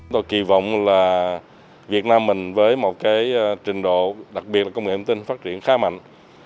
tôi kỳ vọng là việt nam mình với một trình độ đặc biệt là công nghệ ẩm tinh phát triển khá mạnh